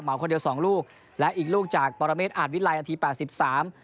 คนเดียวสองลูกและอีกลูกจากปรเมฆอาจวิลัยนาทีแปดสิบสาม